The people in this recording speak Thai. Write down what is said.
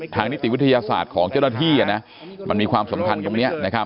นิติวิทยาศาสตร์ของเจ้าหน้าที่มันมีความสำคัญตรงนี้